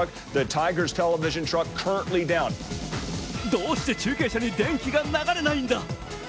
どうして中継車に電気が流れないんだ！